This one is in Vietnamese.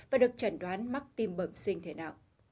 và được chẩn đoán mắc tim bẩm sinh thế nào